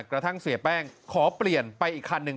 กระทั่งเสียแป้งขอเปลี่ยนไปอีกคันหนึ่ง